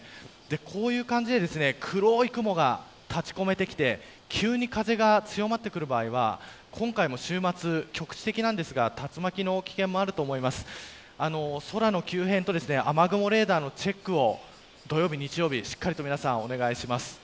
こういう感じで黒い雲が立ちこめてきて急に風が強まってくる場合は今回も週末、局地的ですが竜巻の危険もありますし空の急変と雨雲レーダーのチェックを土曜日、日曜日しっかりお願いします。